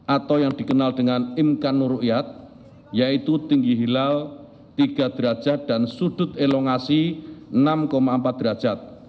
atau yang dikenal dengan imkanur rukyat yaitu tinggi hilal tiga derajat dan sudut elongasi enam empat derajat